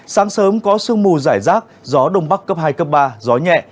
sáng sớm có sương mù giải rác gió đông bắc cấp hai cấp ba gió nhẹ